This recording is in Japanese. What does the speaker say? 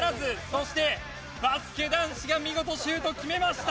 そしてバスケ男子が見事シュートを決めました！